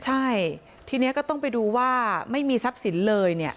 ใช่ทีนี้ก็ต้องไปดูว่าไม่มีทรัพย์สินเลยเนี่ย